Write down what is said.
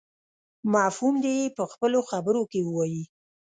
مفهوم دې يې په خپلو خبرو کې ووايي.